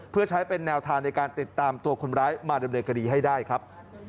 เพื่อใช้เป็นแนวทางในการติดตามตัวคนร้ายมาดำเนินคดีให้ได้ครับ